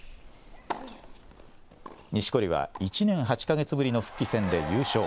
錦織は１年８か月ぶりの復帰戦で優勝。